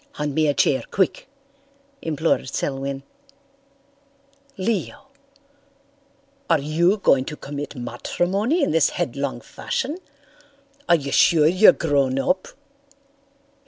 "Hand me a chair, quick," implored Selwyn. "Leo, are you going to commit matrimony in this headlong fashion? Are you sure you're grown up?"